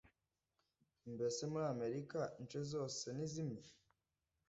Mbese muri Amerika ince zose ni zimwe?